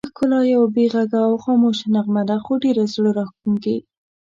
ښکلا یوه بې غږه او خاموشه نغمه ده، خو ډېره زړه راښکونکې.